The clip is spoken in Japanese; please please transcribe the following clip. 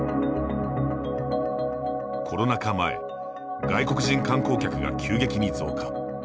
コロナ禍前、外国人観光客が急激に増加。